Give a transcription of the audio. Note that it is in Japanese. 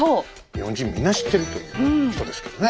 日本人みんな知っているという人ですけどね。